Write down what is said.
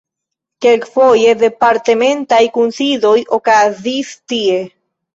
Kelkfoje departementaj kunsidoj okazis tie.